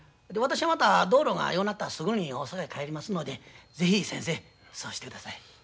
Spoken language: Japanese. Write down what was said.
私はまた道路がようなったらすぐに大阪へ帰りますので是非先生そうしてください。